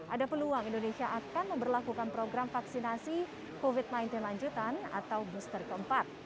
ada peluang indonesia akan memperlakukan program vaksinasi covid sembilan belas lanjutan atau booster keempat